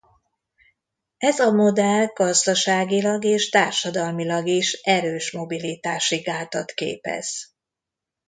Ez a modell gazdaságilag és társadalmilag is erős mobilitási gátat képez.